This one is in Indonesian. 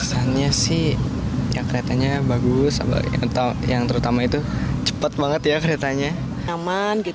kesannya sih keretanya bagus yang terutama itu cepat banget ya keretanya